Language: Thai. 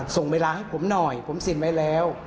ส่งเวลาให้ผมหน่อยผมเซ็นไว้แล้ว